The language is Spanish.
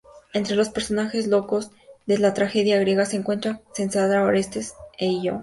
Entre los personajes locos de la tragedia griega se encuentran Casandra, Orestes e Ío.